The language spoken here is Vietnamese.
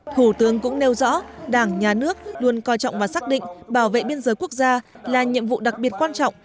thủ tướng cũng nêu rõ đảng nhà nước luôn coi trọng và xác định bảo vệ biên giới quốc gia là nhiệm vụ đặc biệt quan trọng